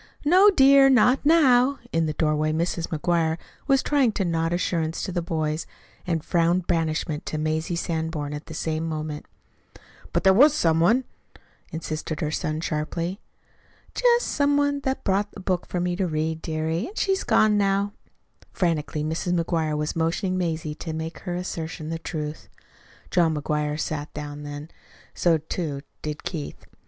"No, dear, not now." In the doorway Mrs. McGuire was trying to nod assurance to the boys and frown banishment to Mazie Sanborn at one and the same moment. "But there was some one," insisted her son sharply. "Just some one that brought a book to me, dearie, an' she's gone now." Frantically Mrs. McGuire was motioning Mazie to make her assertion the truth. John McGuire sat down then. So, too, did Keith.